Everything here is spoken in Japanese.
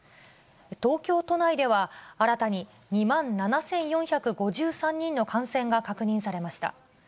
東京都内では、新たに２万７４５３人の感染が確認されました。